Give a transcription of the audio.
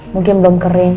mungkin belum kering